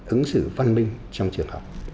ứng xử văn minh trong trường học